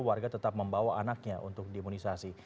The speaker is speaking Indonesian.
warga tetap membawa anaknya untuk diimunisasi